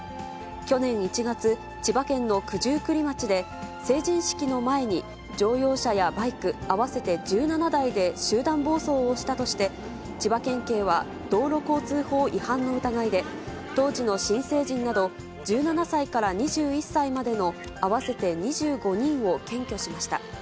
去年１月、千葉県の九十九里町で、成人式の前に、乗用車やバイク合わせて１７台で集団暴走をしたとして、千葉県警は道路交通法違反の疑いで、当時の新成人など１７歳から２１歳までの合わせて２５人を検挙しました。